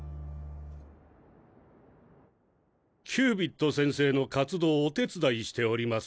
キュービッド先生の活動をお手伝いしております